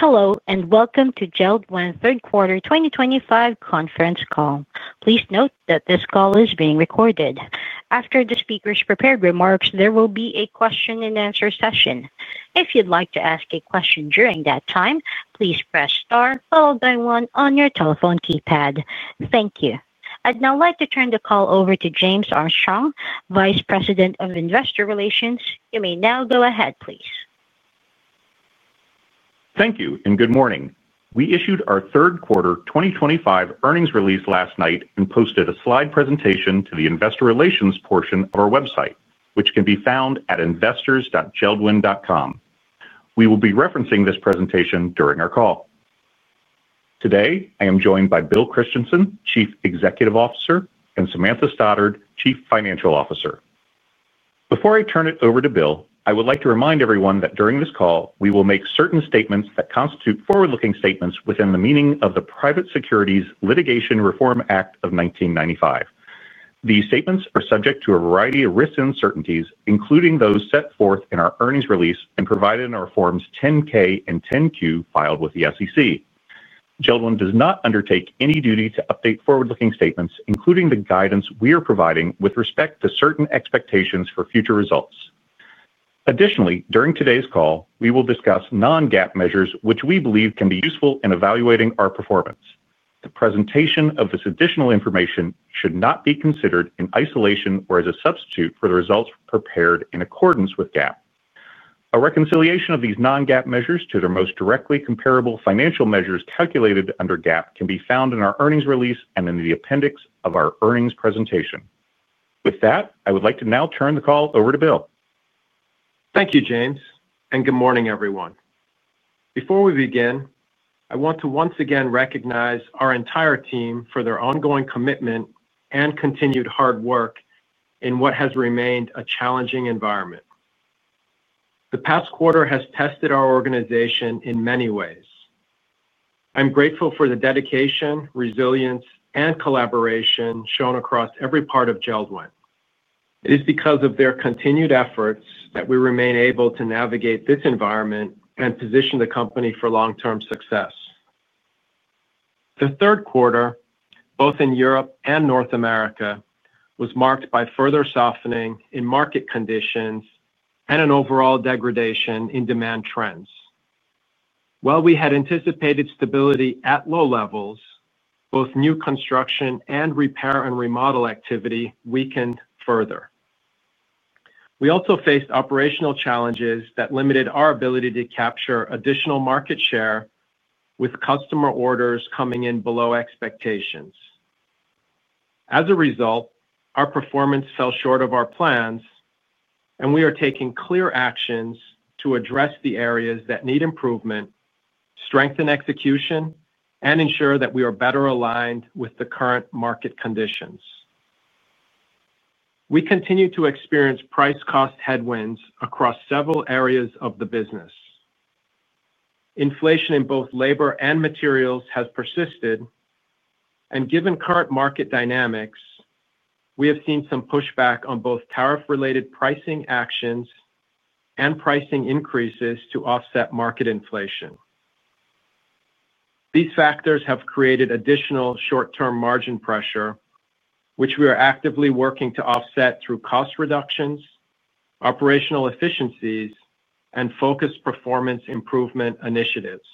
Hello, and welcome to JELD-WEN Third Quarter 2025 conference call. Please note that this call is being recorded. After the speakers' prepared remarks, there will be a question-and-answer session. If you'd like to ask a question during that time, please press star followed by one on your telephone keypad. Thank you. I'd now like to turn the call over to James Armstrong, Vice President of Investor Relations. You may now go ahead, please. Thank you, and good morning. We issued our Third Quarter 2025 earnings release last night and posted a slide presentation to the Investor Relations portion of our website, which can be found at investors.jeldwen.com. We will be referencing this presentation during our call. Today, I am joined by Bill Christensen, Chief Executive Officer, and Samantha Stoddard, Chief Financial Officer. Before I turn it over to Bill, I would like to remind everyone that during this call, we will make certain statements that constitute forward-looking statements within the meaning of the Private Securities Litigation Reform Act of 1995. These statements are subject to a variety of risks and uncertainties, including those set forth in our earnings release and provided in our Forms 10-K and 10-Q filed with the SEC. JELD-WEN does not undertake any duty to update forward-looking statements, including the guidance we are providing with respect to certain expectations for future results. Additionally, during today's call, we will discuss non-GAAP measures, which we believe can be useful in evaluating our performance. The presentation of this additional information should not be considered in isolation or as a substitute for the results prepared in accordance with GAAP. A reconciliation of these non-GAAP measures to their most directly comparable financial measures calculated under GAAP can be found in our earnings release and in the appendix of our earnings presentation. With that, I would like to now turn the call over to Bill. Thank you, James, and good morning, everyone. Before we begin, I want to once again recognize our entire team for their ongoing commitment and continued hard work in what has remained a challenging environment. The past quarter has tested our organization in many ways. I'm grateful for the dedication, resilience, and collaboration shown across every part of JELD-WEN. It is because of their continued efforts that we remain able to navigate this environment and position the company for long-term success. The third quarter, both in Europe and North America, was marked by further softening in market conditions and an overall degradation in demand trends. While we had anticipated stability at low levels, both new construction and repair and remodel activity weakened further. We also faced operational challenges that limited our ability to capture additional market share with customer orders coming in below expectations. As a result, our performance fell short of our plans, and we are taking clear actions to address the areas that need improvement, strengthen execution, and ensure that we are better aligned with the current market conditions. We continue to experience price-cost headwinds across several areas of the business. Inflation in both labor and materials has persisted. Given current market dynamics, we have seen some pushback on both tariff-related pricing actions and pricing increases to offset market inflation. These factors have created additional short-term margin pressure, which we are actively working to offset through cost reductions, operational efficiencies, and focused performance improvement initiatives.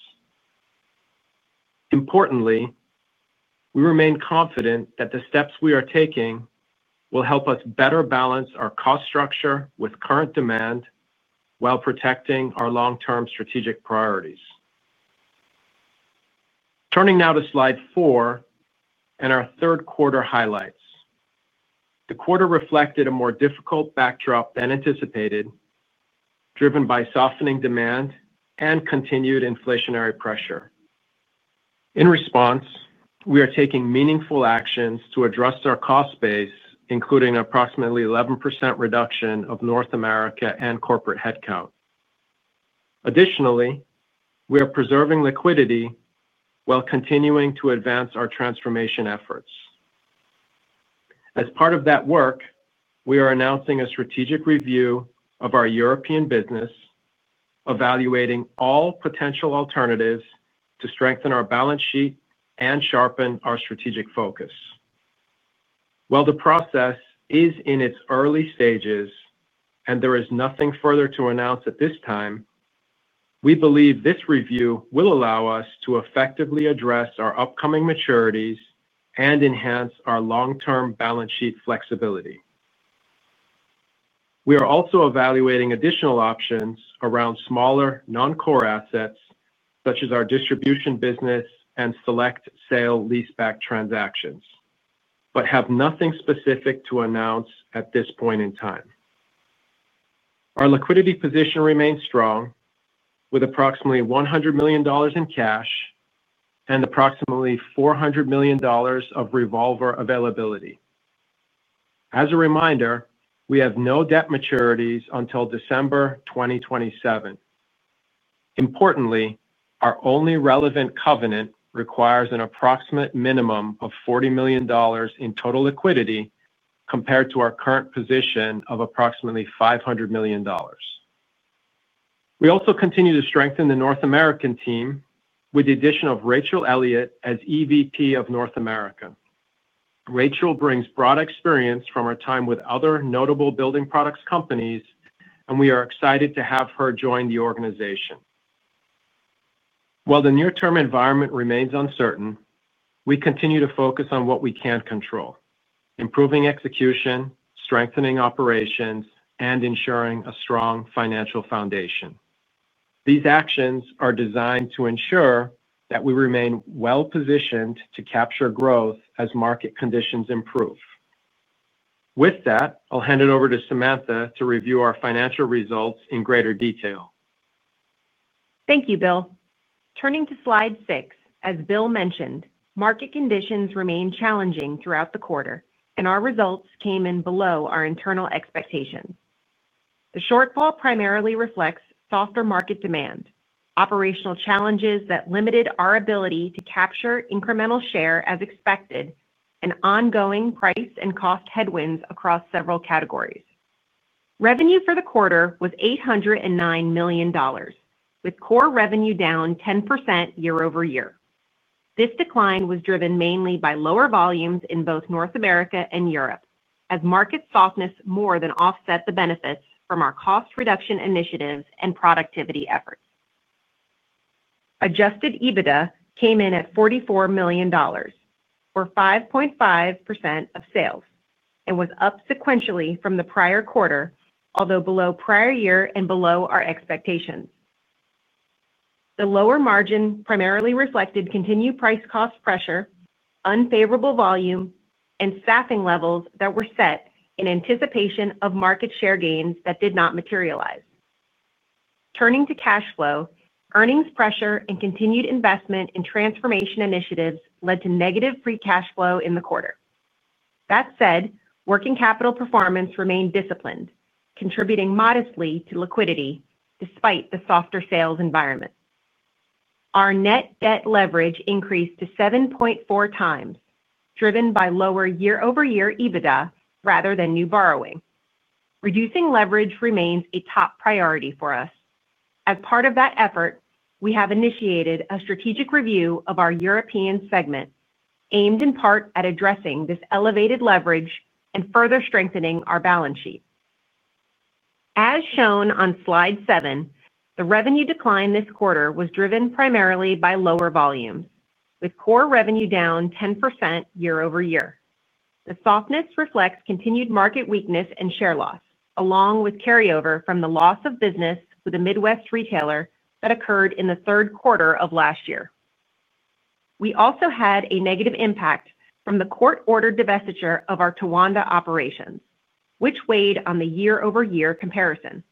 Importantly, we remain confident that the steps we are taking will help us better balance our cost structure with current demand while protecting our long-term strategic priorities. Turning now to slide four and our third quarter highlights. The quarter reflected a more difficult backdrop than anticipated, driven by softening demand and continued inflationary pressure. In response, we are taking meaningful actions to address our cost base, including an approximately 11% reduction of North America and corporate headcount. Additionally, we are preserving liquidity while continuing to advance our transformation efforts. As part of that work, we are announcing a strategic review of our European business, evaluating all potential alternatives to strengthen our balance sheet and sharpen our strategic focus. While the process is in its early stages and there is nothing further to announce at this time, we believe this review will allow us to effectively address our upcoming maturities and enhance our long-term balance sheet flexibility. We are also evaluating additional options around smaller non-core assets, such as our distribution business and select sale leaseback transactions, but have nothing specific to announce at this point in time. Our liquidity position remains strong, with approximately $100 million in cash and approximately $400 million of revolver availability. As a reminder, we have no debt maturities until December 2027. Importantly, our only relevant covenant requires an approximate minimum of $40 million in total liquidity compared to our current position of approximately $500 million. We also continue to strengthen the North American team with the addition of Rachel Elliott as EVP of North America. Rachel brings broad experience from her time with other notable building products companies, and we are excited to have her join the organization. While the near-term environment remains uncertain, we continue to focus on what we can control: improving execution, strengthening operations, and ensuring a strong financial foundation. These actions are designed to ensure that we remain well-positioned to capture growth as market conditions improve. With that, I'll hand it over to Samantha to review our financial results in greater detail. Thank you, Bill. Turning to slide six, as Bill mentioned, market conditions remained challenging throughout the quarter, and our results came in below our internal expectations. The shortfall primarily reflects softer market demand, operational challenges that limited our ability to capture incremental share as expected, and ongoing price and cost headwinds across several categories. Revenue for the quarter was $809 million, with core revenue down 10% year-over-year. This decline was driven mainly by lower volumes in both North America and Europe, as market softness more than offset the benefits from our cost reduction initiatives and productivity efforts. Adjusted EBITDA came in at $44 million, or 5.5% of sales, and was up sequentially from the prior quarter, although below prior year and below our expectations. The lower margin primarily reflected continued price-cost pressure, unfavorable volume, and staffing levels that were set in anticipation of market share gains that did not materialize. Turning to cash flow, earnings pressure and continued investment in transformation initiatives led to negative free cash flow in the quarter. That said, working capital performance remained disciplined, contributing modestly to liquidity despite the softer sales environment. Our net debt leverage increased to 7.4x, driven by lower year-over-year EBITDA rather than new borrowing. Reducing leverage remains a top priority for us. As part of that effort, we have initiated a strategic review of our European segment, aimed in part at addressing this elevated leverage and further strengthening our balance sheet. As shown on slide seven, the revenue decline this quarter was driven primarily by lower volumes, with core revenue down 10% year-over-year. The softness reflects continued market weakness and share loss, along with carryover from the loss of business with a Midwest retailer that occurred in the third quarter of last year. We also had a negative impact from the court-ordered divestiture of our Towanda operations, which weighed on the year-over-year comparison.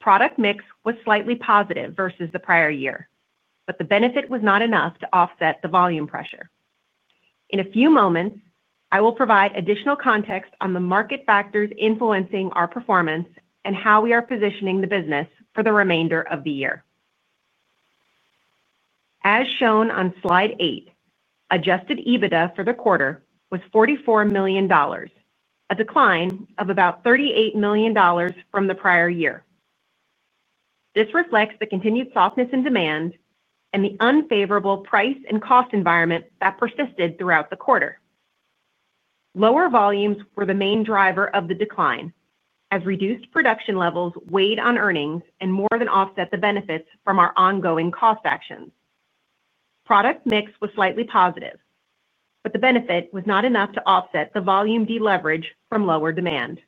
Product mix was slightly positive versus the prior year, but the benefit was not enough to offset the volume pressure. In a few moments, I will provide additional context on the market factors influencing our performance and how we are positioning the business for the remainder of the year. As shown on slide eight, adjusted EBITDA for the quarter was $44 million, a decline of about $38 million from the prior year. This reflects the continued softness in demand and the unfavorable price and cost environment that persisted throughout the quarter. Lower volumes were the main driver of the decline, as reduced production levels weighed on earnings and more than offset the benefits from our ongoing cost actions. Product mix was slightly positive, but the benefit was not enough to offset the volume deleverage from lower demand.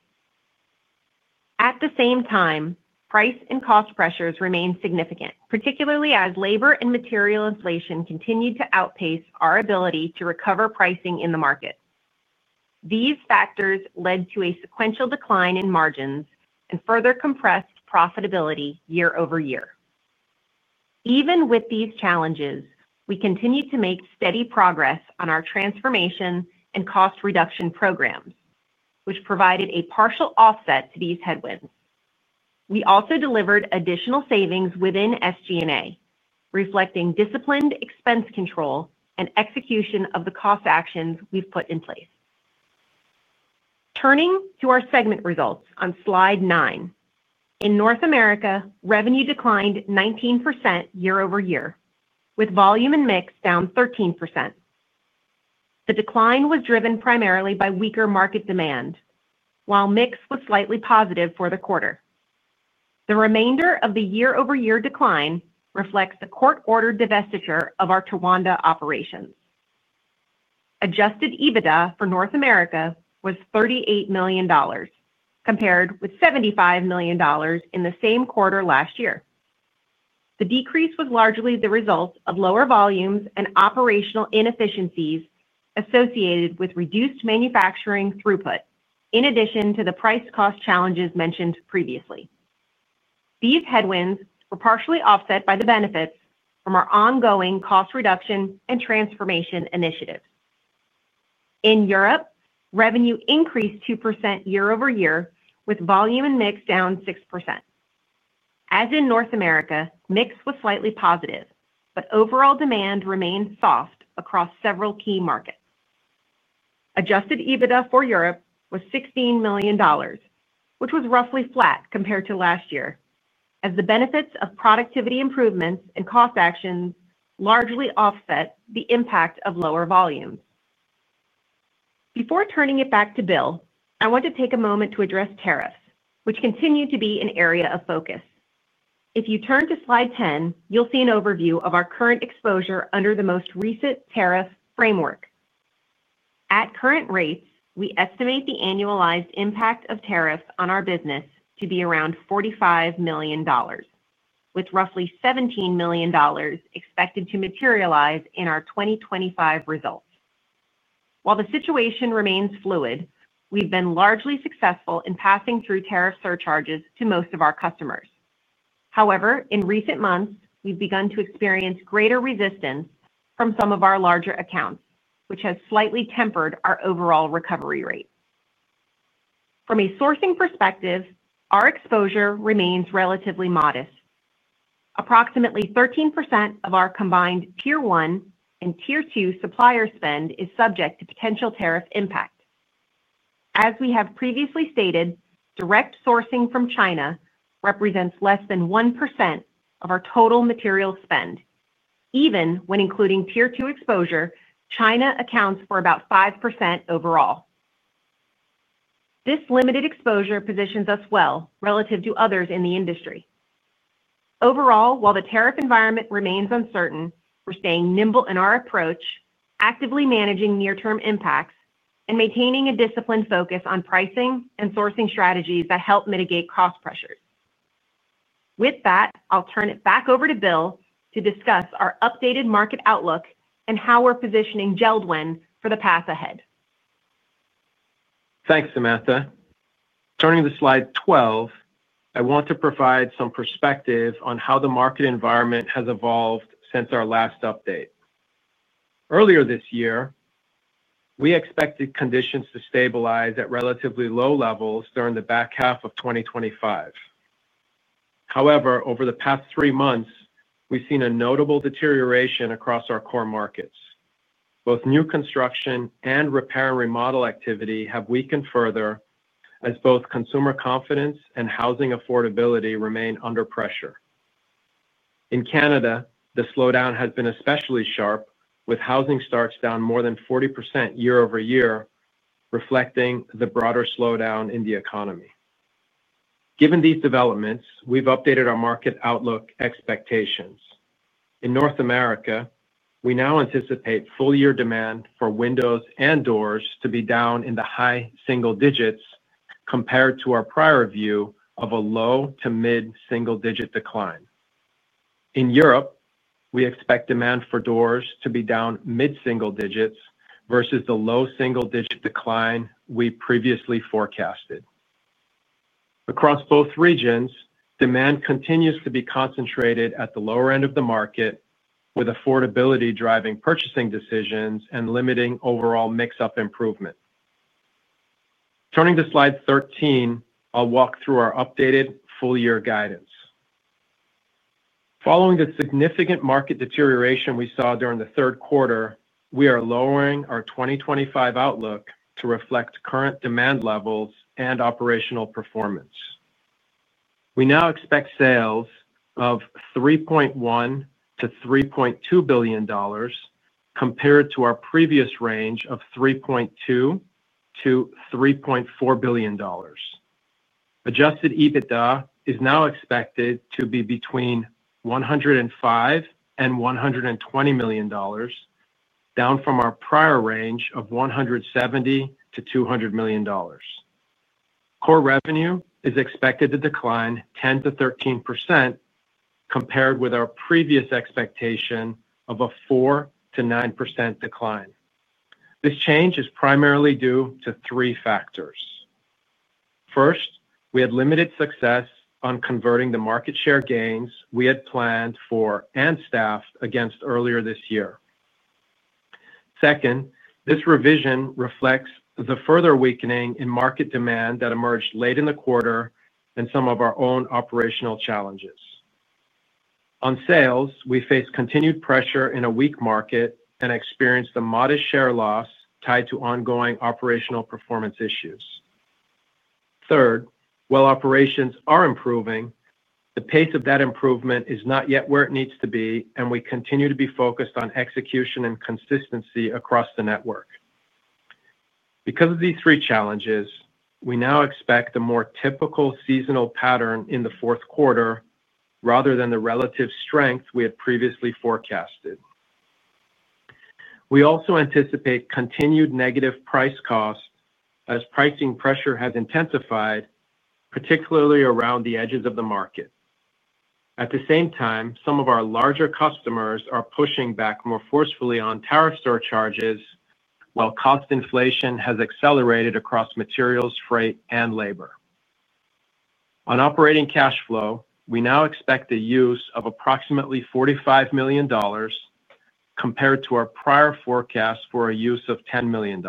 At the same time, price and cost pressures remained significant, particularly as labor and material inflation continued to outpace our ability to recover pricing in the market. These factors led to a sequential decline in margins and further compressed profitability year-over-year. Even with these challenges, we continued to make steady progress on our transformation and cost reduction programs, which provided a partial offset to these headwinds. We also delivered additional savings within SG&A, reflecting disciplined expense control and execution of the cost actions we've put in place. Turning to our segment results on slide nine, in North America, revenue declined 19% year-over-year, with volume and mix down 13%. The decline was driven primarily by weaker market demand, while mix was slightly positive for the quarter. The remainder of the year-over-year decline reflects the court-ordered divestiture of our Towanda operations. Adjusted EBITDA for North America was $38 million, compared with $75 million in the same quarter last year. The decrease was largely the result of lower volumes and operational inefficiencies associated with reduced manufacturing throughput, in addition to the price-cost challenges mentioned previously. These headwinds were partially offset by the benefits from our ongoing cost reduction and transformation initiatives. In Europe, revenue increased 2% year-over-year, with volume and mix down 6%. As in North America, mix was slightly positive, but overall demand remained soft across several key markets. Adjusted EBITDA for Europe was $16 million, which was roughly flat compared to last year, as the benefits of productivity improvements and cost actions largely offset the impact of lower volumes. Before turning it back to Bill, I want to take a moment to address tariffs, which continue to be an area of focus. If you turn to slide 10, you'll see an overview of our current exposure under the most recent tariff framework. At current rates, we estimate the annualized impact of tariffs on our business to be around $45 million, with roughly $17 million expected to materialize in our 2025 results. While the situation remains fluid, we've been largely successful in passing through tariff surcharges to most of our customers. However, in recent months, we've begun to experience greater resistance from some of our larger accounts, which has slightly tempered our overall recovery rate. From a sourcing perspective, our exposure remains relatively modest. Approximately 13% of our combined tier one and tier two supplier spend is subject to potential tariff impact. As we have previously stated, direct sourcing from China represents less than 1% of our total material spend. Even when including tier two exposure, China accounts for about 5% overall. This limited exposure positions us well relative to others in the industry. Overall, while the tariff environment remains uncertain, we're staying nimble in our approach, actively managing near-term impacts, and maintaining a disciplined focus on pricing and sourcing strategies that help mitigate cost pressures. With that, I'll turn it back over to Bill to discuss our updated market outlook and how we're positioning JELD-WEN for the path ahead. Thanks, Samantha. Turning to slide 12, I want to provide some perspective on how the market environment has evolved since our last update. Earlier this year, we expected conditions to stabilize at relatively low levels during the back half of 2025. However, over the past three months, we've seen a notable deterioration across our core markets. Both new construction and repair and remodel activity have weakened further as both consumer confidence and housing affordability remain under pressure. In Canada, the slowdown has been especially sharp, with housing starts down more than 40% year-over-year, reflecting the broader slowdown in the economy. Given these developments, we've updated our market outlook expectations. In North America, we now anticipate full-year demand for windows and doors to be down in the high single digits compared to our prior view of a low to mid-single digit decline. In Europe, we expect demand for doors to be down mid-single digits versus the low single digit decline we previously forecasted. Across both regions, demand continues to be concentrated at the lower end of the market, with affordability driving purchasing decisions and limiting overall mix-up improvement. Turning to slide 13, I'll walk through our updated full-year guidance. Following the significant market deterioration we saw during the third quarter, we are lowering our 2025 outlook to reflect current demand levels and operational performance. We now expect sales of $3.1-$3.2 billion compared to our previous range of $3.2-$3.4 billion. Adjusted EBITDA is now expected to be between $105-$120 million, down from our prior range of $170-$200 million. Core revenue is expected to decline 10%-13% compared with our previous expectation of a 4%-9% decline. This change is primarily due to three factors. First, we had limited success on converting the market share gains we had planned for and staffed against earlier this year. Second, this revision reflects the further weakening in market demand that emerged late in the quarter and some of our own operational challenges. On sales, we face continued pressure in a weak market and experienced a modest share loss tied to ongoing operational performance issues. Third, while operations are improving, the pace of that improvement is not yet where it needs to be, and we continue to be focused on execution and consistency across the network. Because of these three challenges, we now expect a more typical seasonal pattern in the fourth quarter rather than the relative strength we had previously forecasted. We also anticipate continued negative price costs as pricing pressure has intensified, particularly around the edges of the market. At the same time, some of our larger customers are pushing back more forcefully on tariff surcharges, while cost inflation has accelerated across materials, freight, and labor. On operating cash flow, we now expect the use of approximately $45 million compared to our prior forecast for a use of $10 million.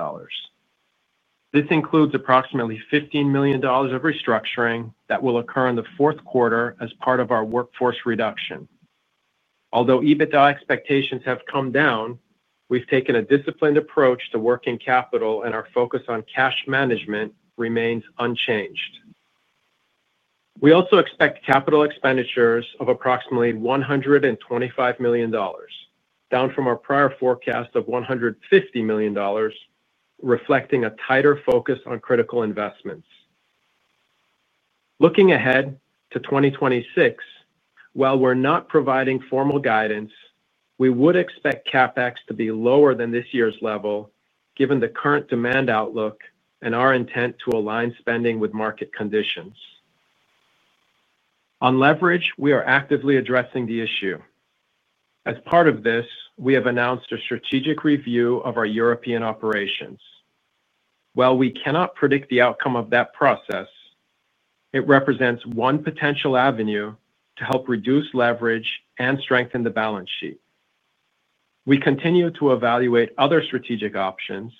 This includes approximately $15 million of restructuring that will occur in the fourth quarter as part of our workforce reduction. Although EBITDA expectations have come down, we've taken a disciplined approach to working capital, and our focus on cash management remains unchanged. We also expect capital expenditures of approximately $125 million, down from our prior forecast of $150 million, reflecting a tighter focus on critical investments. Looking ahead to 2026. While we're not providing formal guidance, we would expect CapEx to be lower than this year's level, given the current demand outlook and our intent to align spending with market conditions. On leverage, we are actively addressing the issue. As part of this, we have announced a strategic review of our European operations. While we cannot predict the outcome of that process, it represents one potential avenue to help reduce leverage and strengthen the balance sheet. We continue to evaluate other strategic options,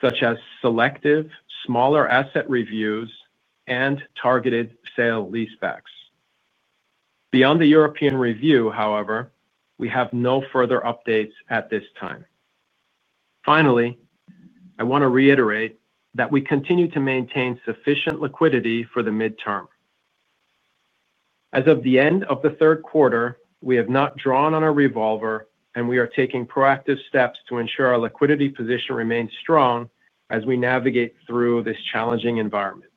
such as selective, smaller asset reviews, and targeted sale leasebacks. Beyond the European review, however, we have no further updates at this time. Finally, I want to reiterate that we continue to maintain sufficient liquidity for the midterm. As of the end of the third quarter, we have not drawn on a revolver, and we are taking proactive steps to ensure our liquidity position remains strong as we navigate through this challenging environment.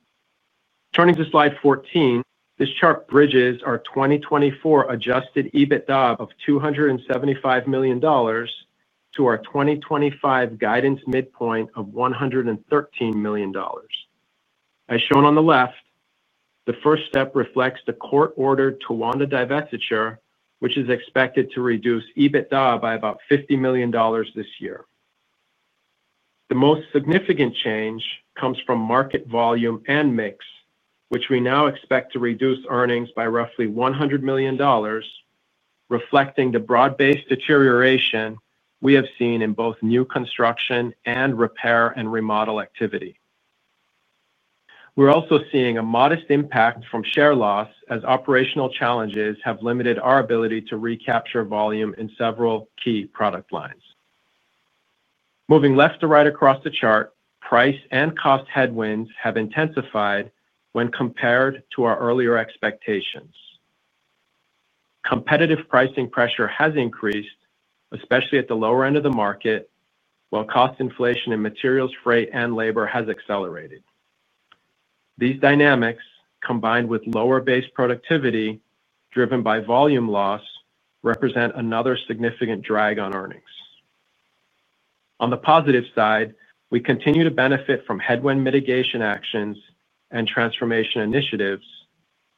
Turning to slide 14, this chart bridges our 2024 adjusted EBITDA of $275 million to our 2025 guidance midpoint of $113 million. As shown on the left, the first step reflects the court-ordered Towanda divestiture, which is expected to reduce EBITDA by about $50 million this year. The most significant change comes from market volume and mix, which we now expect to reduce earnings by roughly $100 million, reflecting the broad-based deterioration we have seen in both new construction and repair and remodel activity. We're also seeing a modest impact from share loss as operational challenges have limited our ability to recapture volume in several key product lines. Moving left to right across the chart, price and cost headwinds have intensified when compared to our earlier expectations. Competitive pricing pressure has increased, especially at the lower end of the market, while cost inflation in materials, freight, and labor has accelerated. These dynamics, combined with lower-based productivity driven by volume loss, represent another significant drag on earnings. On the positive side, we continue to benefit from headwind mitigation actions and transformation initiatives,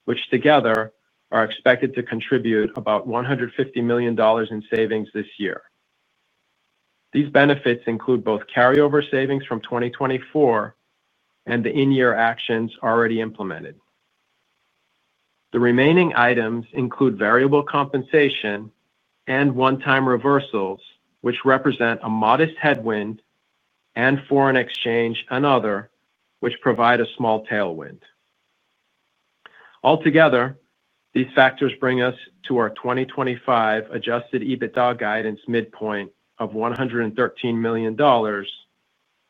which together are expected to contribute about $150 million in savings this year. These benefits include both carryover savings from 2024 and the in-year actions already implemented. The remaining items include variable compensation and one-time reversals, which represent a modest headwind, and foreign exchange and other, which provide a small tailwind. Altogether, these factors bring us to our 2025 adjusted EBITDA guidance midpoint of $113 million,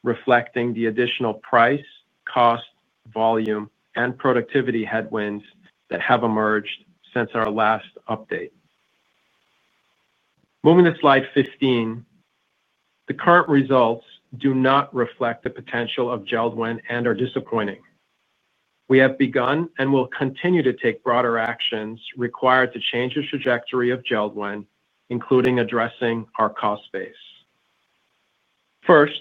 reflecting the additional price, cost, volume, and productivity headwinds that have emerged since our last update. Moving to slide 15. The current results do not reflect the potential of JELD-WEN and are disappointing. We have begun and will continue to take broader actions required to change the trajectory of JELD-WEN, including addressing our cost base. First,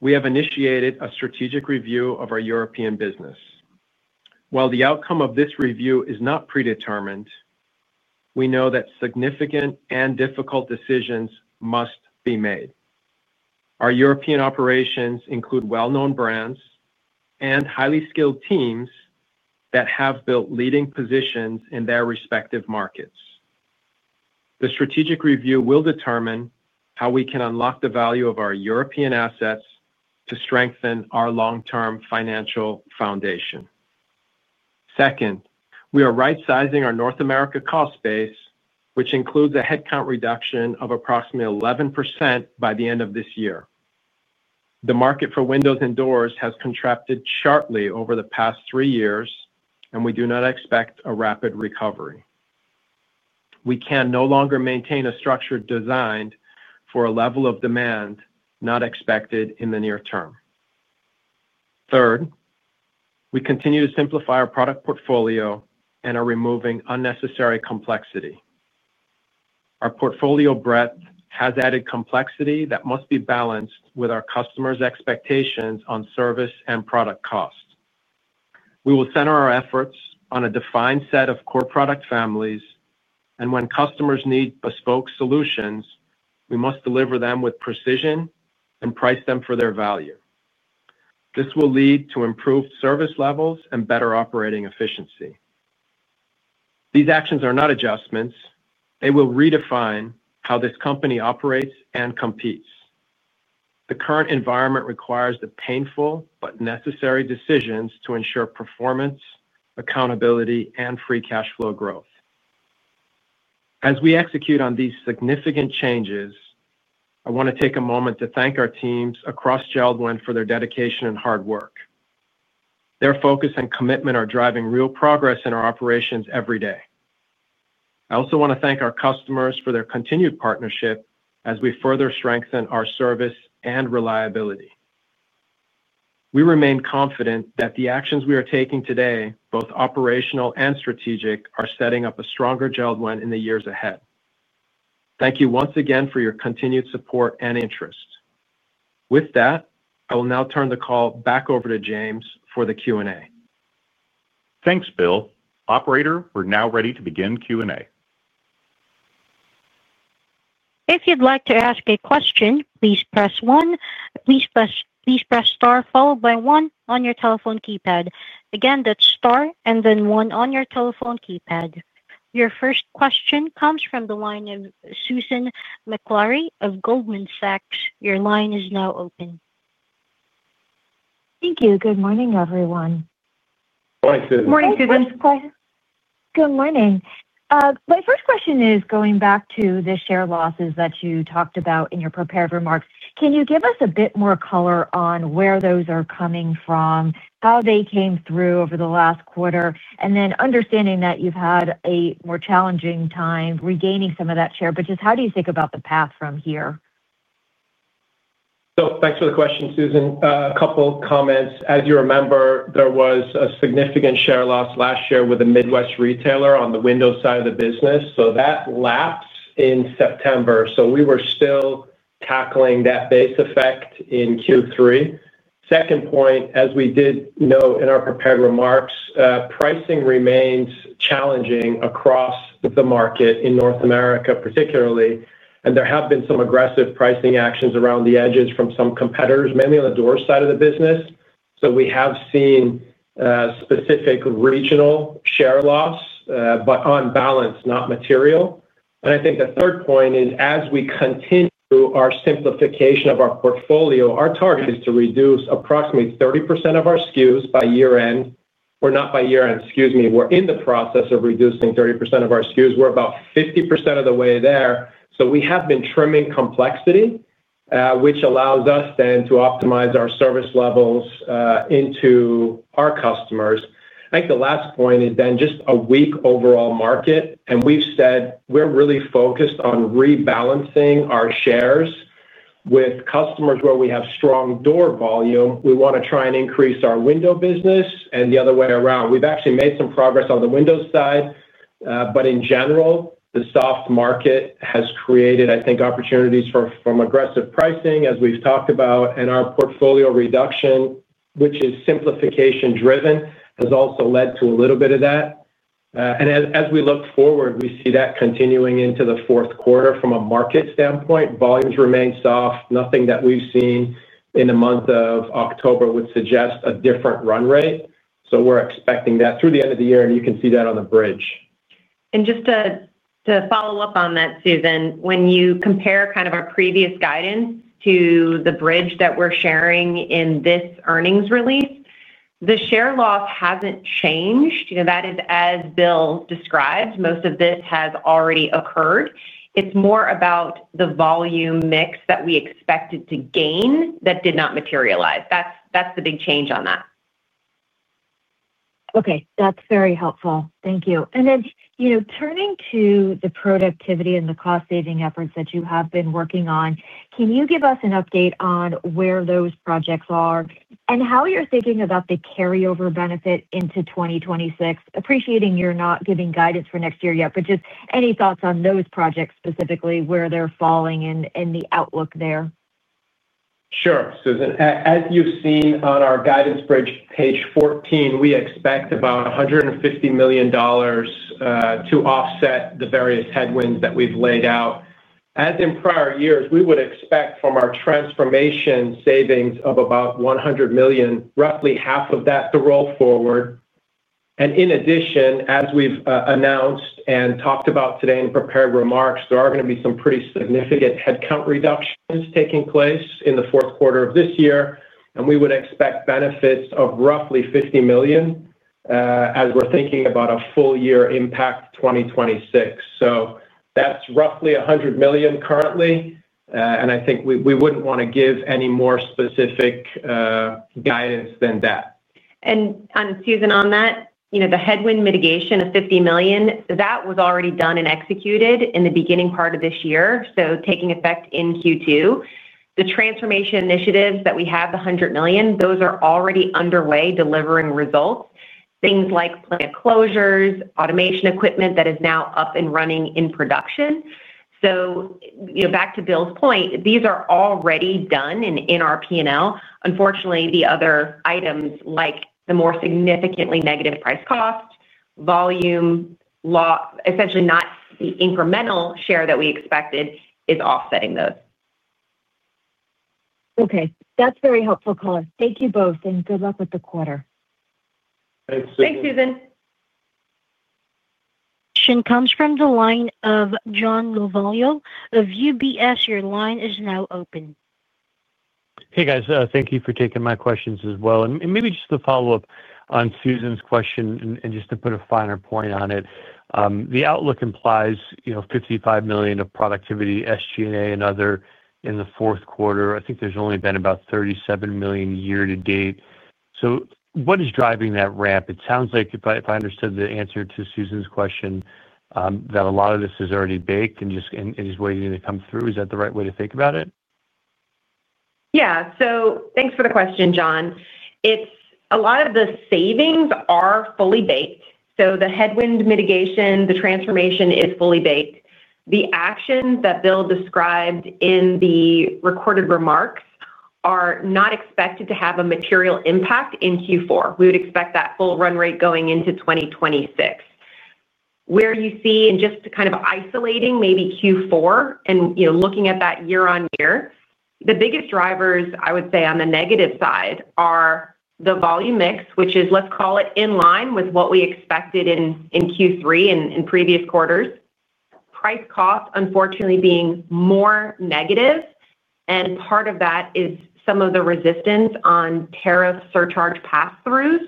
we have initiated a strategic review of our European business. While the outcome of this review is not predetermined, we know that significant and difficult decisions must be made. Our European operations include well-known brands and highly skilled teams that have built leading positions in their respective markets. The strategic review will determine how we can unlock the value of our European assets to strengthen our long-term financial foundation. Second, we are right-sizing our North America cost base, which includes a headcount reduction of approximately 11% by the end of this year. The market for windows and doors has contracted sharply over the past three years, and we do not expect a rapid recovery. We can no longer maintain a structure designed for a level of demand not expected in the near term. Third, we continue to simplify our product portfolio and are removing unnecessary complexity. Our portfolio breadth has added complexity that must be balanced with our customers' expectations on service and product cost. We will center our efforts on a defined set of core product families, and when customers need bespoke solutions, we must deliver them with precision and price them for their value. This will lead to improved service levels and better operating efficiency. These actions are not adjustments. They will redefine how this company operates and competes. The current environment requires the painful but necessary decisions to ensure performance, accountability, and free cash flow growth. As we execute on these significant changes, I want to take a moment to thank our teams across JELD-WEN for their dedication and hard work. Their focus and commitment are driving real progress in our operations every day. I also want to thank our customers for their continued partnership as we further strengthen our service and reliability. We remain confident that the actions we are taking today, both operational and strategic, are setting up a stronger JELD-WEN in the years ahead. Thank you once again for your continued support and interest. With that, I will now turn the call back over to James for the Q&A. Thanks, Bill. Operator, we're now ready to begin Q&A. If you'd like to ask a question, please press one. Please press star followed by one on your telephone keypad. Again, that's star and then one on your telephone keypad. Your first question comes from the line of Susan McClary of Goldman Sachs. Your line is now open. Thank you. Good morning, everyone. Morning, Susan. Morning, Susan. Good morning. Good morning. My first question is going back to the share losses that you talked about in your prepared remarks. Can you give us a bit more color on where those are coming from, how they came through over the last quarter, and then understanding that you've had a more challenging time regaining some of that share? Just how do you think about the path from here? Thanks for the question, Susan. A couple of comments. As you remember, there was a significant share loss last year with a Midwest retailer on the window side of the business. That lapsed in September. We were still tackling that base effect in Q3. Second point, as we did note in our prepared remarks, pricing remains challenging across the market in North America particularly, and there have been some aggressive pricing actions around the edges from some competitors, mainly on the door side of the business. We have seen specific regional share loss, but on balance, not material. I think the third point is, as we continue our simplification of our portfolio, our target is to reduce approximately 30% of our SKUs. We are in the process of reducing 30% of our SKUs. We are about 50% of the way there. We have been trimming complexity, which allows us then to optimize our service levels into our customers. I think the last point is just a weak overall market, and we have said we are really focused on rebalancing our shares with customers where we have strong door volume. We want to try and increase our window business and the other way around. We have actually made some progress on the window side, but in general, the soft market has created, I think, opportunities from aggressive pricing, as we have talked about, and our portfolio reduction, which is simplification-driven, has also led to a little bit of that. As we look forward, we see that continuing into the fourth quarter from a market standpoint. Volumes remain soft. Nothing that we have seen in the month of October would suggest a different run rate. We are expecting that through the end of the year, and you can see that on the bridge. Just to follow up on that, Susan, when you compare kind of our previous guidance to the bridge that we're sharing in this earnings release, the share loss hasn't changed. That is as Bill described. Most of this has already occurred. It's more about the volume mix that we expected to gain that did not materialize. That's the big change on that. Okay. That's very helpful. Thank you. Turning to the productivity and the cost-saving efforts that you have been working on, can you give us an update on where those projects are and how you're thinking about the carryover benefit into 2026? Appreciating you're not giving guidance for next year yet, but just any thoughts on those projects specifically, where they're falling in the outlook there? Sure, Susan. As you've seen on our guidance bridge, page 14, we expect about $150 million to offset the various headwinds that we've laid out. As in prior years, we would expect from our transformation savings of about $100 million, roughly half of that to roll forward. In addition, as we've announced and talked about today in prepared remarks, there are going to be some pretty significant headcount reductions taking place in the fourth quarter of this year, and we would expect benefits of roughly $50 million as we're thinking about a full-year impact 2026. That's roughly $100 million currently, and I think we wouldn't want to give any more specific guidance than that. Susan, on that, the headwind mitigation of $50 million, that was already done and executed in the beginning part of this year, taking effect in Q2. The transformation initiatives that we have, the $100 million, those are already underway delivering results, things like plant closures, automation equipment that is now up and running in production. Back to Bill's point, these are already done in our P&L. Unfortunately, the other items, like the more significantly negative price-cost, volume, essentially not the incremental share that we expected, is offsetting those. Okay. That's very helpful, color. Thank you both, and good luck with the quarter. Thanks, Susan. Thanks, Susan. Question comes from the line of John Lovallo. UBS, your line is now open. Hey, guys. Thank you for taking my questions as well. Maybe just to follow up on Susan's question and just to put a finer point on it. The outlook implies $55 million of productivity, SG&A, and other in the fourth quarter. I think there's only been about $37 million year-to-date. What is driving that ramp? It sounds like, if I understood the answer to Susan's question, that a lot of this is already baked and is waiting to come through. Is that the right way to think about it? Yeah. Thanks for the question, John. A lot of the savings are fully baked. The headwind mitigation, the transformation is fully baked. The actions that Bill described in the recorded remarks are not expected to have a material impact in Q4. We would expect that full run rate going into 2026. Where you see, and just kind of isolating maybe Q4 and looking at that year-on-year, the biggest drivers, I would say, on the negative side are the volume mix, which is, let's call it in line with what we expected in Q3 and in previous quarters. Price cost, unfortunately, being more negative. Part of that is some of the resistance on tariff surcharge pass-throughs.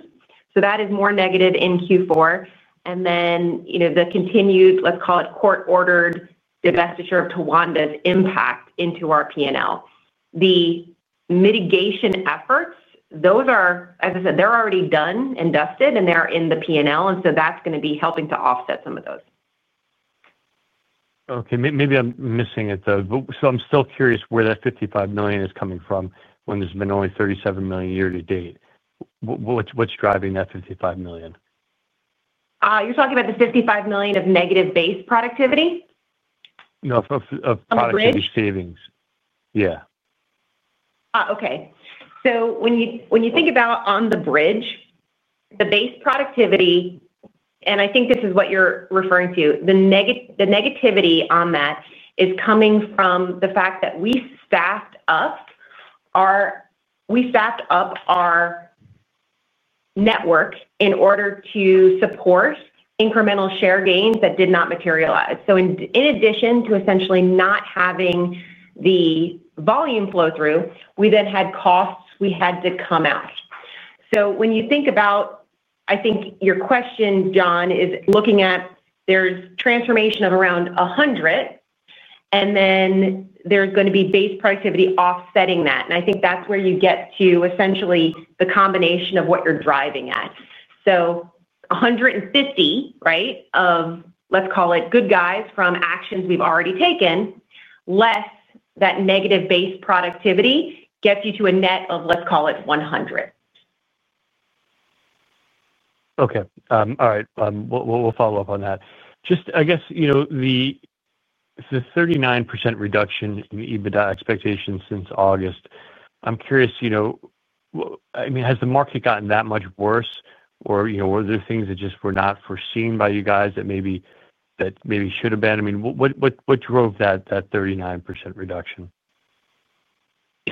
That is more negative in Q4. Then the continued, let's call it court-ordered divestiture of Towanda's impact into our P&L. The mitigation efforts, those are, as I said, they're already done and dusted, and they're in the P&L. That's going to be helping to offset some of those. Okay. Maybe I'm missing it, though. So I'm still curious where that $55 million is coming from when there's been only $37 million year-to-date. What's driving that $55 million? You're talking about the $55 million of negative base productivity? No, of productivity savings. On the bridge? Yeah. Okay. When you think about on the bridge, the base productivity, and I think this is what you're referring to, the negativity on that is coming from the fact that we staffed up our network in order to support incremental share gains that did not materialize. In addition to essentially not having the volume flow-through, we then had costs we had to come out. When you think about, I think your question, John, is looking at there's transformation of around $100, and then there's going to be base productivity offsetting that. I think that's where you get to essentially the combination of what you're driving at. $150, right, of let's call it good guys from actions we've already taken, less that negative base productivity gets you to a net of, let's call it, $100. Okay. All right. We'll follow up on that. Just, I guess, the 39% reduction in EBITDA expectations since August, I'm curious. I mean, has the market gotten that much worse, or were there things that just were not foreseen by you guys that maybe should have been? I mean, what drove that 39% reduction?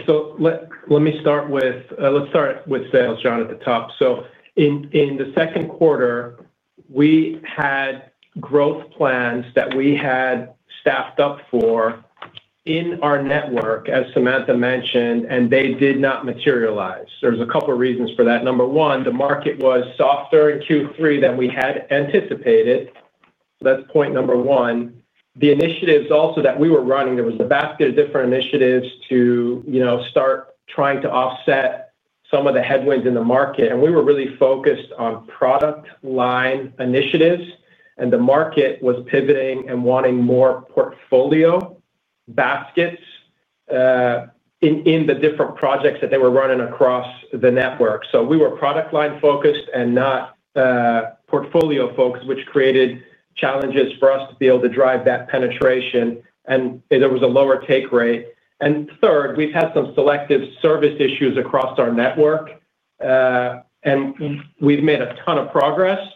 Let me start with sales, John, at the top. In the second quarter, we had growth plans that we had staffed up for in our network, as Samantha mentioned, and they did not materialize. There are a couple of reasons for that. Number one, the market was softer in Q3 than we had anticipated. That is point number one. The initiatives also that we were running, there was a basket of different initiatives to start trying to offset some of the headwinds in the market. We were really focused on product line initiatives, and the market was pivoting and wanting more portfolio baskets in the different projects that they were running across the network. We were product line focused and not portfolio focused, which created challenges for us to be able to drive that penetration, and there was a lower take rate. Third, we have had some selective service issues across our network. We have made a ton of progress.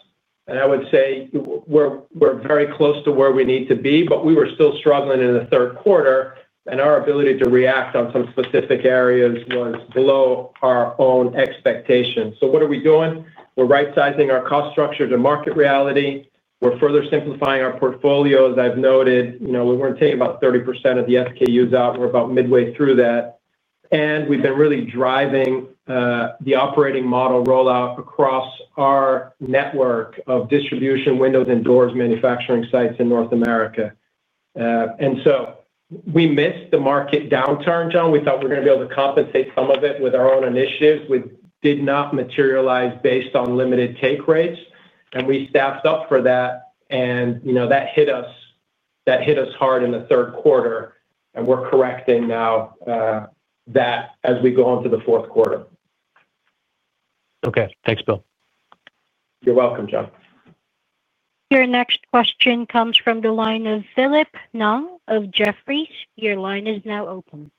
I would say we are very close to where we need to be, but we were still struggling in the third quarter, and our ability to react on some specific areas was below our own expectations. What are we doing? We are right-sizing our cost structure to market reality. We are further simplifying our portfolios. As I have noted, we are taking about 30% of the SKUs out. We are about midway through that. We have been really driving the operating model rollout across our network of distribution windows and doors manufacturing sites in North America. We missed the market downturn, John. We thought we were going to be able to compensate some of it with our own initiatives. We did not materialize based on limited take rates, and we staffed up for that, and that hit us hard in the third quarter. We are correcting that as we go into the fourth quarter. Okay. Thanks, Bill. You're welcome, John. Your next question comes from the line of Philip Ng of Jefferies. Your line is now open.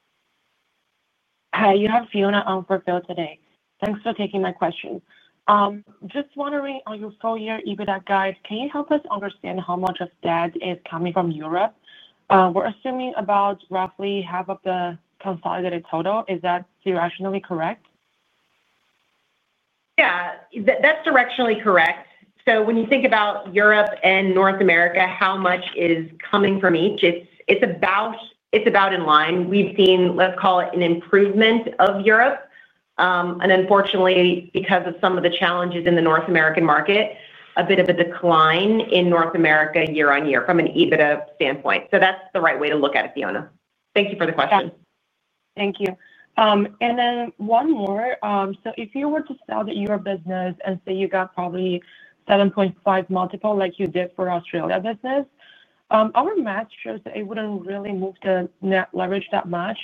Hi. You have Fiona on for Bill today. Thanks for taking my question. Just wondering on your full-year EBITDA guide, can you help us understand how much of that is coming from Europe? We're assuming about roughly half of the consolidated total. Is that directionally correct? Yeah. That's directionally correct. When you think about Europe and North America, how much is coming from each? It's about in line. We've seen, let's call it, an improvement of Europe. Unfortunately, because of some of the challenges in the North American market, a bit of a decline in North America year-on-year from an EBITDA standpoint. That's the right way to look at it, Fiona. Thank you for the question. Thank you. And then one more. If you were to sell your business and say you got probably a 7.5 multiple, like you did for the Australia business, our math shows that it would not really move the net leverage that much.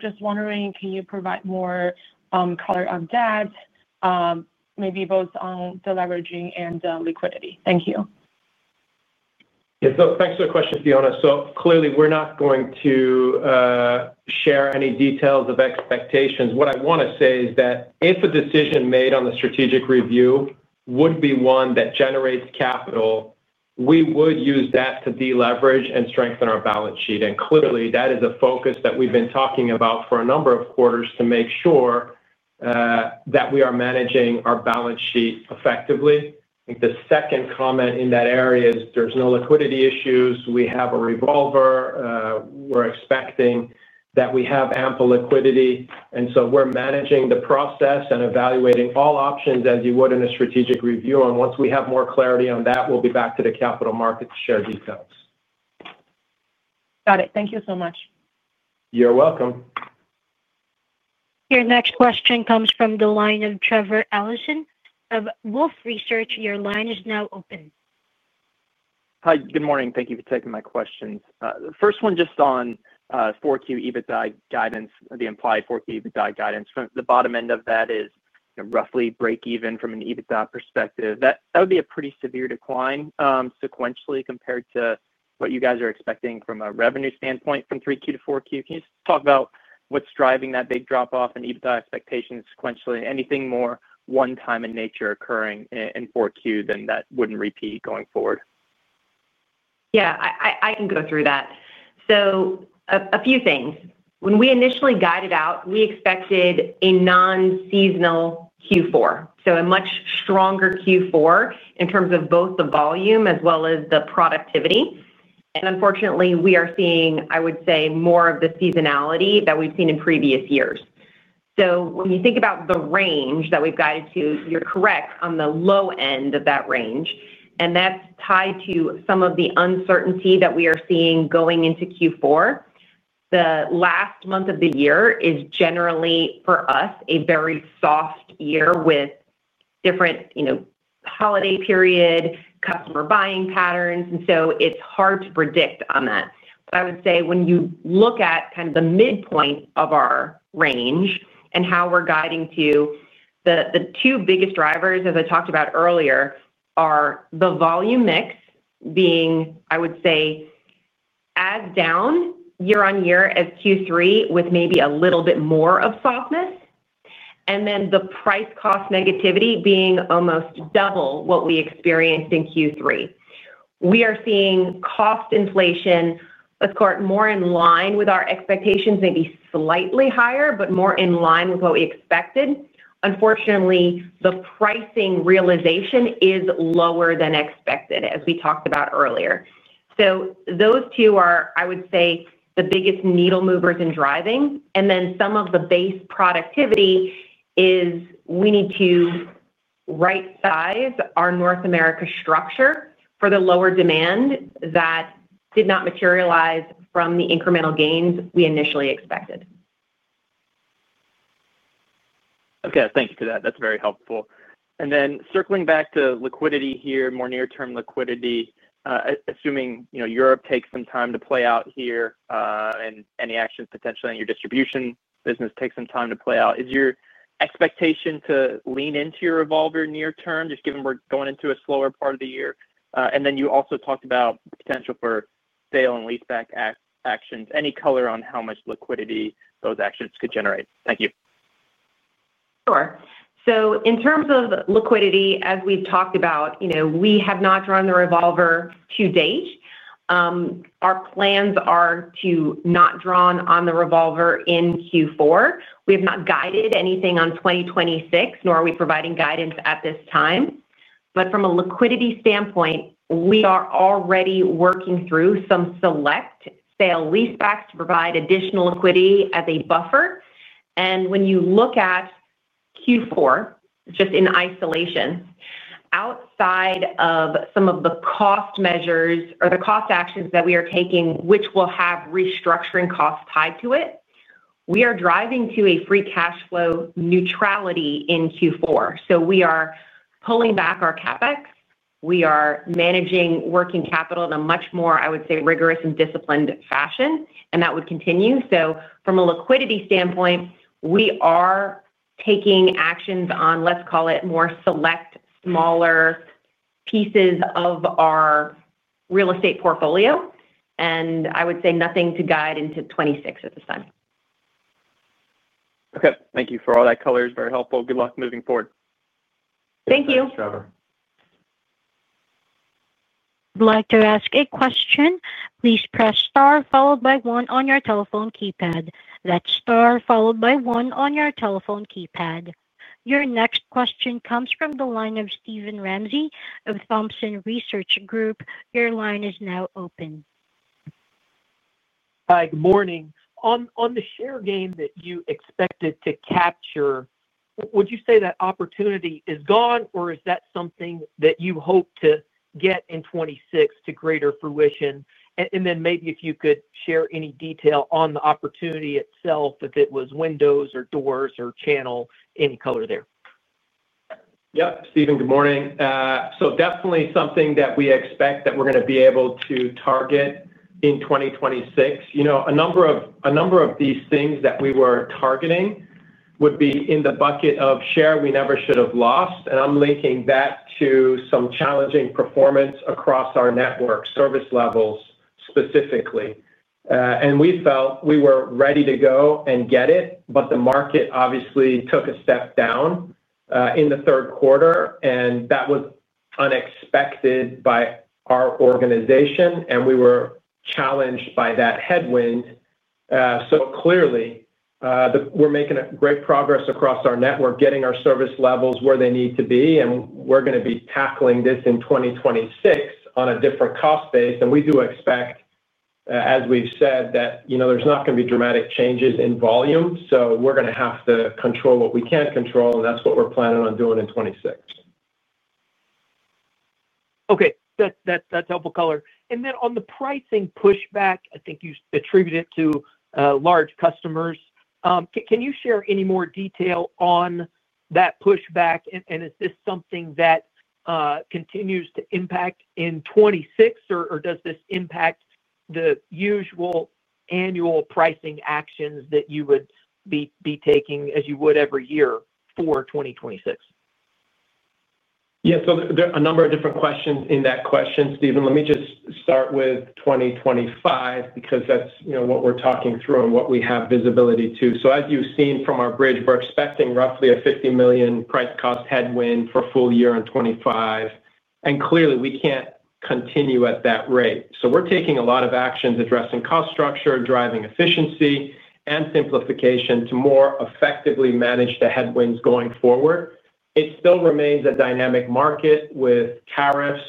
Just wondering, can you provide more color on debt, maybe both on the leveraging and the liquidity? Thank you. Yeah. Thanks for the question, Fiona. Clearly, we're not going to share any details of expectations. What I want to say is that if a decision made on the strategic review would be one that generates capital, we would use that to deleverage and strengthen our balance sheet. Clearly, that is a focus that we've been talking about for a number of quarters to make sure that we are managing our balance sheet effectively. I think the second comment in that area is there's no liquidity issues. We have a revolver. We're expecting that we have ample liquidity. We are managing the process and evaluating all options as you would in a strategic review. Once we have more clarity on that, we'll be back to the capital market to share details. Got it. Thank you so much. You're welcome. Your next question comes from the line of Trevor Allison of Wolfe Research. Your line is now open. Hi. Good morning. Thank you for taking my questions. The first one just on 4Q EBITDA guidance, the implied 4Q EBITDA guidance. The bottom end of that is roughly break-even from an EBITDA perspective. That would be a pretty severe decline sequentially compared to what you guys are expecting from a revenue standpoint from 3Q to 4Q. Can you just talk about what's driving that big drop-off in EBITDA expectations sequentially? Anything more one-time in nature occurring in 4Q than that wouldn't repeat going forward? Yeah. I can go through that. So a few things. When we initially guided out, we expected a non-seasonal Q4, so a much stronger Q4 in terms of both the volume as well as the productivity. Unfortunately, we are seeing, I would say, more of the seasonality that we've seen in previous years. When you think about the range that we've guided to, you're correct on the low end of that range. That's tied to some of the uncertainty that we are seeing going into Q4. The last month of the year is generally, for us, a very soft year with different holiday period, customer buying patterns. It's hard to predict on that. I would say when you look at kind of the midpoint of our range and how we're guiding to, the two biggest drivers, as I talked about earlier, are the volume mix being, I would say, as down year-on-year as Q3 with maybe a little bit more of softness. The price cost negativity is almost double what we experienced in Q3. We are seeing cost inflation, of course, more in line with our expectations, maybe slightly higher, but more in line with what we expected. Unfortunately, the pricing realization is lower than expected, as we talked about earlier. Those two are, I would say, the biggest needle movers in driving. Some of the base productivity is we need to right-size our North America structure for the lower demand that did not materialize from the incremental gains we initially expected. Okay. Thank you for that. That's very helpful. Circling back to liquidity here, more near-term liquidity, assuming Europe takes some time to play out here. Any actions potentially on your distribution business take some time to play out. Is your expectation to lean into your revolver near-term, just given we're going into a slower part of the year? You also talked about the potential for sale and leaseback actions. Any color on how much liquidity those actions could generate? Thank you. Sure. In terms of liquidity, as we've talked about, we have not drawn the revolver to date. Our plans are to not draw on the revolver in Q4. We have not guided anything on 2026, nor are we providing guidance at this time. From a liquidity standpoint, we are already working through some select sale leasebacks to provide additional liquidity as a buffer. When you look at Q4 just in isolation, outside of some of the cost measures or the cost actions that we are taking, which will have restructuring costs tied to it, we are driving to a free cash flow neutrality in Q4. We are pulling back our CapEx. We are managing working capital in a much more, I would say, rigorous and disciplined fashion. That would continue. From a liquidity standpoint, we are taking actions on, let's call it, more select, smaller pieces of our real estate portfolio. I would say nothing to guide into 2026 at this time. Okay. Thank you for all that color. It's very helpful. Good luck moving forward. Thank you. Thanks, Trevor. I'd like to ask a question. Please press star followed by one on your telephone keypad. That's star followed by one on your telephone keypad. Your next question comes from the line of Steven Ramsey of Thompson Research Group. Your line is now open. Hi. Good morning. On the share gain that you expected to capture, would you say that opportunity is gone, or is that something that you hope to get in 2026 to greater fruition? If you could share any detail on the opportunity itself, if it was windows or doors or channel, any color there. Yep. Steven, good morning. Definitely something that we expect that we're going to be able to target in 2026. A number of these things that we were targeting would be in the bucket of share we never should have lost. I'm linking that to some challenging performance across our network service levels specifically. We felt we were ready to go and get it, but the market obviously took a step down in the third quarter, and that was unexpected by our organization, and we were challenged by that headwind. Clearly, we're making great progress across our network, getting our service levels where they need to be, and we're going to be tackling this in 2026 on a different cost base. We do expect, as we've said, that there's not going to be dramatic changes in volume. We're going to have to control what we can control, and that's what we're planning on doing in 2026. Okay. That's helpful color. On the pricing pushback, I think you attribute it to large customers. Can you share any more detail on that pushback? Is this something that continues to impact in 2026, or does this impact the usual annual pricing actions that you would be taking as you would every year for 2026? Yeah. There are a number of different questions in that question, Steven. Let me just start with 2025 because that's what we're talking through and what we have visibility to. As you've seen from our bridge, we're expecting roughly a $50 million price-cost headwind for full year in 2025. Clearly, we can't continue at that rate. We're taking a lot of actions addressing cost structure, driving efficiency, and simplification to more effectively manage the headwinds going forward. It still remains a dynamic market with tariffs.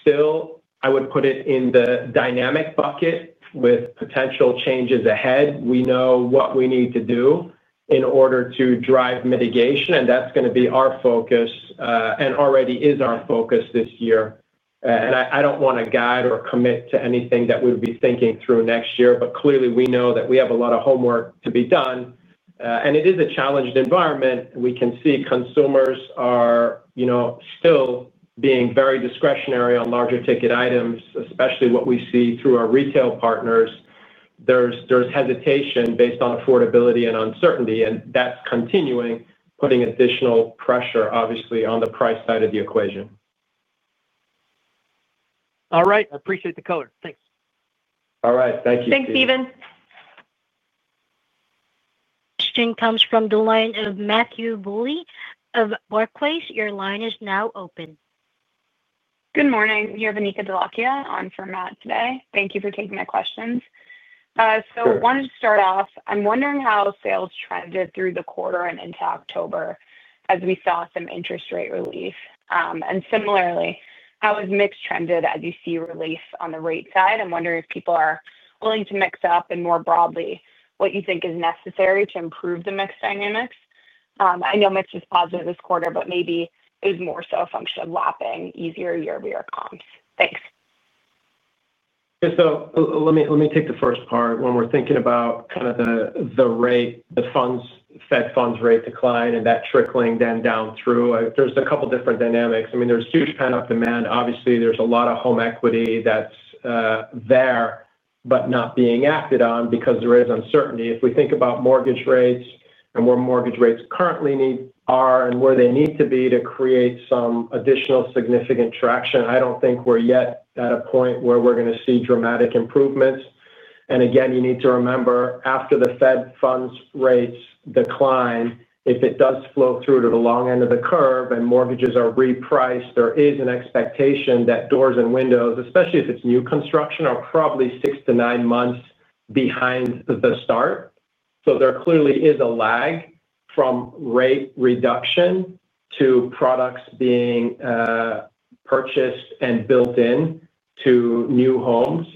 Still, I would put it in the dynamic bucket with potential changes ahead. We know what we need to do in order to drive mitigation, and that's going to be our focus and already is our focus this year. I don't want to guide or commit to anything that we'd be thinking through next year, but clearly, we know that we have a lot of homework to be done. It is a challenged environment. We can see consumers are still being very discretionary on larger ticket items, especially what we see through our retail partners. There's hesitation based on affordability and uncertainty, and that's continuing, putting additional pressure, obviously, on the price side of the equation. All right. I appreciate the color. Thanks. All right. Thank you. Thanks, Steven. Question comes from the line of Matthew Bouley of Barclays. Your line is now open. Good morning. Yovonika Delacquia on for Matt today. Thank you for taking my questions. I wanted to start off, I'm wondering how sales trended through the quarter and into October as we saw some interest rate relief. Similarly, how has mix trended as you see relief on the rate side? I'm wondering if people are willing to mix up and more broadly what you think is necessary to improve the mix dynamics. I know mix is positive this quarter, but maybe it was more so a function of lapping easier year-over-year comps. Thanks. Let me take the first part. When we're thinking about kind of the Fed funds rate decline and that trickling then down through, there's a couple of different dynamics. I mean, there's huge pent-up demand. Obviously, there's a lot of home equity that's there but not being acted on because there is uncertainty. If we think about mortgage rates and where mortgage rates currently are, and where they need to be to create some additional significant traction, I don't think we're yet at a point where we're going to see dramatic improvements. You need to remember, after the Fed funds rates decline, if it does flow through to the long end of the curve and mortgages are repriced, there is an expectation that doors and windows, especially if it's new construction, are probably six to nine months behind the start. There clearly is a lag from rate reduction to products being purchased and built into new homes.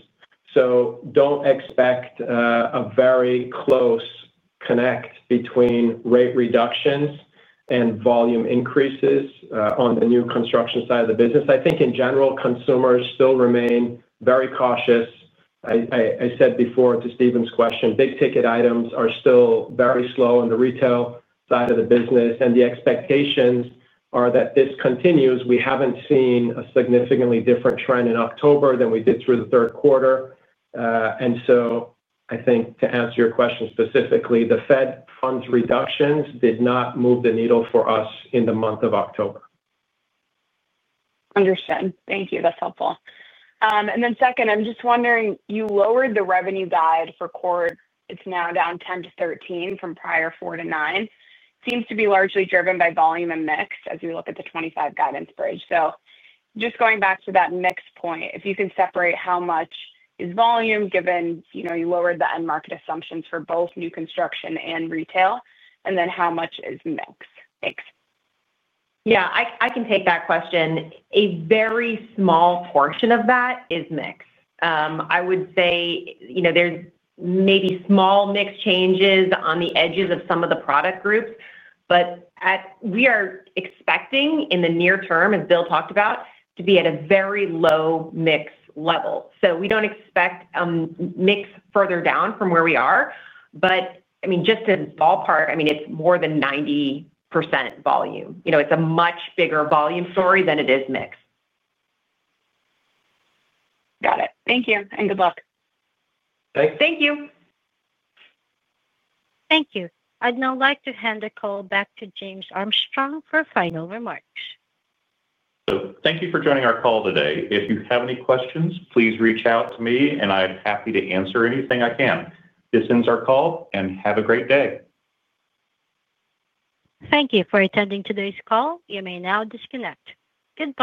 Do not expect a very close connect between rate reductions and volume increases on the new construction side of the business. I think, in general, consumers still remain very cautious. I said before to Steven's question, big ticket items are still very slow on the retail side of the business, and the expectations are that this continues. We haven't seen a significantly different trend in October than we did through the third quarter. I think to answer your question specifically, the Fed funds reductions did not move the needle for us in the month of October. Understood. Thank you. That is helpful. Then second, I am just wondering, you lowered the revenue guide for the quarter. It is now down 10%-13% from prior 4%-9%. Seems to be largely driven by volume and mix as we look at the 2025 guidance bridge. Just going back to that mix point, if you can separate how much is volume given you lowered the end market assumptions for both new construction and retail, and then how much is mix? Yeah. I can take that question. A very small portion of that is mix. I would say. There's maybe small mix changes on the edges of some of the product groups. We are expecting in the near term, as Bill talked about, to be at a very low mix level. We do not expect mix further down from where we are. I mean, just in ballpark, I mean, it's more than 90% volume. It's a much bigger volume story than it is mix. Got it. Thank you. Good luck. Thanks. Thank you. Thank you. I'd now like to hand the call back to James Armstrong for final remarks. Thank you for joining our call today. If you have any questions, please reach out to me, and I'm happy to answer anything I can. This ends our call, and have a great day. Thank you for attending today's call. You may now disconnect. Good.